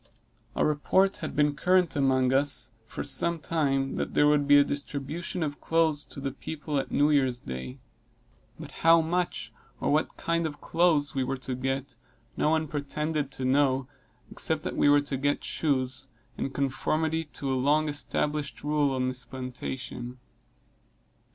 A report had been current among us for some time, that there would be a distribution of clothes to the people at New Year's day; but how much, or what kind of clothes we were to get no one pretended to know except that we were to get shoes, in conformity to a long established rule of this plantation.